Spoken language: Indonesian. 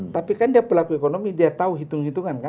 tapi kan dia pelaku ekonomi dia tahu hitung hitungan kan